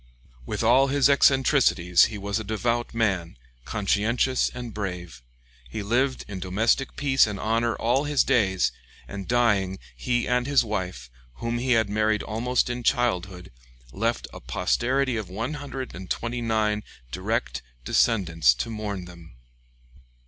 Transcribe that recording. With all his eccentricities, he was a devout man, conscientious and brave. He lived in domestic peace and honor all his days, and dying, he and his wife, whom he had married almost in childhood, left a posterity of 129 direct descendants to mourn them.